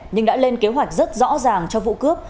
nhưng đã lên kế hoạch rất rõ ràng cho vụ cướp